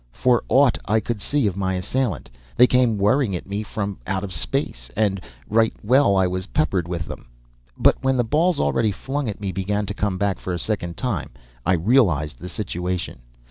For aught I could see of my assailant, they came whirling at me from out of space, and right well was I peppered with them. But when the balls already flung at me began to come back for a second whack, I realized the situation.